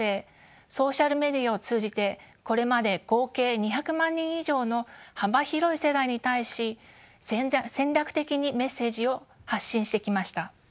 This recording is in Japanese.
ソーシャルメディアを通じてこれまで合計２００万人以上の幅広い世代に対し戦略的にメッセージを発信してきました。